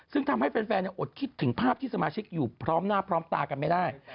ซึ่งทำให้แฟนอดคิดถึงภาพที่สมาชิกอยู่พร้อมหน้าพร้อมตากันไม่ได้